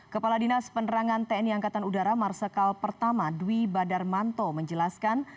kepala dinas penerangan tni angkatan udara marsikal pertama dwi badarmanto menjelaskan